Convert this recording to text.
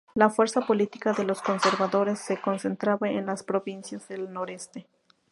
La fuerza política de los conservadores se concentraba en las provincias del Noreste.